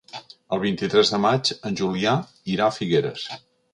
El vint-i-tres de maig en Julià irà a Figueres.